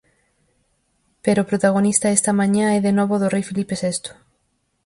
Pero o protagonista está mañá é de novo do Rei Filipe Sexto.